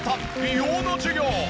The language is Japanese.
美容の授業。